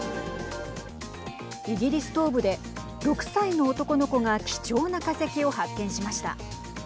イギリス東部で６歳の男の子が貴重な化石を発見しました。